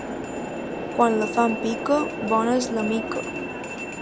Quan la fam pica bona és la mica.